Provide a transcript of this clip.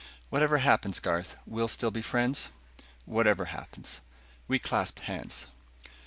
"Whatever happens, Garth, we'll still be friends?" "Whatever happens." We clasped hands.